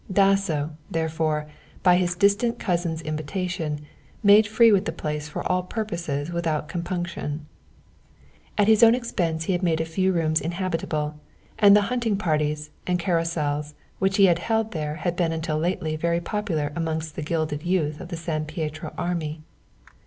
Dasso, therefore, by his distant cousin's invitation made free with the place for all purposes without compunction. At his own expense he had made a few rooms inhabitable, and the hunting parties and carousals which he had held there had been until lately very popular amongst the gilded youth of the San Pietro army.